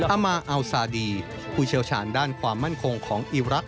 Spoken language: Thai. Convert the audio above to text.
อามาอัลซาดีผู้เชี่ยวชาญด้านความมั่นคงของอีรักษ